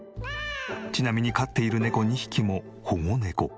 ちなみに飼っている猫２匹も保護猫。